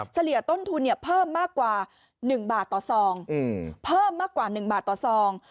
เฉลี่ยต้นทุนเพิ่มมากกว่า๑บาทต่อซอง